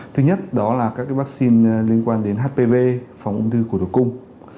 thứ nhất đó là các vaccine liên quan đến hpv phòng ung thư của độc cung